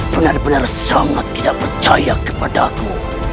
benar benar sangat tidak percaya kepadaku